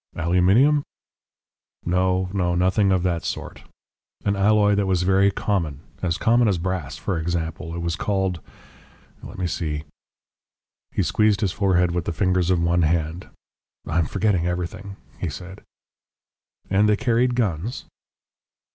"Aluminium?" "No, no, nothing of that sort. An alloy that was very common as common as brass, for example. It was called let me see ." He squeezed his forehead with the fingers of one hand. "I am forgetting everything," he said. "And they carried guns?"